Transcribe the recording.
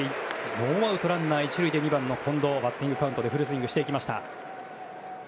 ノーアウトランナー１塁で２番の近藤がバッティングカウントでフルスイングしていきました。